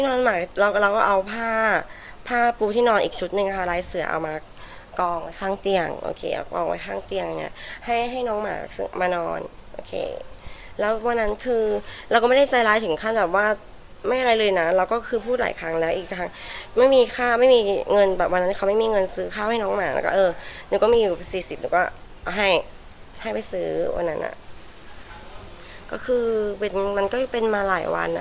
นอนอีกชุดหนึ่งค่ะลายเสือเอามากองข้างเตียงโอเคเอากองไว้ข้างเตียงเนี้ยให้ให้น้องหมามานอนโอเคแล้ววันนั้นคือเราก็ไม่ได้ใจร้ายถึงค่าแบบว่าไม่อะไรเลยน่ะเราก็คือพูดหลายครั้งแล้วอีกครั้งไม่มีค่าไม่มีเงินแบบวันนั้นเขาไม่มีเงินซื้อข้าวให้น้องหมาแล้วก็เออหนูก็มีอยู่สี่สิบหนูก็เอาให้ให้ไปซื้อวันนั้